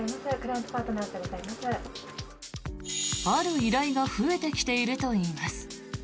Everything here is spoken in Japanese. ある依頼が増えてきているといいます。